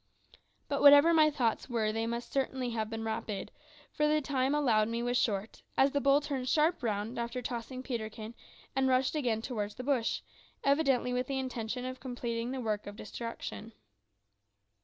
But whatever my thoughts were they must have been rapid, for the time allowed me was short, as the bull turned sharp round after tossing Peterkin and rushed again towards the bush, evidently with the intention of completing the work of destruction.